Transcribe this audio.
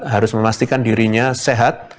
harus memastikan dirinya sehat